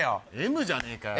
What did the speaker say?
Ｍじゃねえかよ！